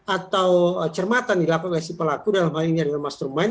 atau cermatan dilakukan oleh si pelaku dalam hal ini adalah mastermind